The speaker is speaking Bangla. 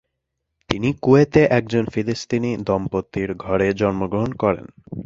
তিনি কুয়েতে একজন ফিলিস্তিনি দম্পতির ঘরে জন্মগ্রহণ করেন।